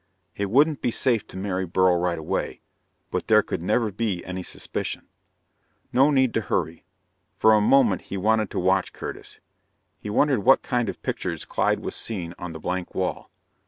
It wouldn't be safe to marry Beryl right away, but there could never be any suspicion. No need to hurry. For a moment he wanted to watch Curtis. He wondered what kind of pictures Clyde was seeing on the blank wall.